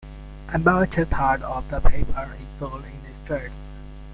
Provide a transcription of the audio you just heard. About a third of the paper is sold in the streets.